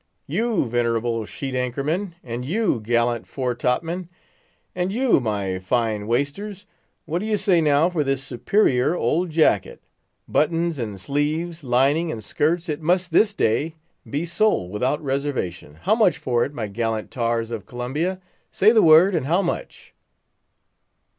"You, venerable sheet anchor men! and you, gallant fore top men! and you, my fine waisters! what do you say now for this superior old jacket? Buttons and sleeves, lining and skirts, it must this day be sold without reservation. How much for it, my gallant tars of Columbia? say the word, and how much?"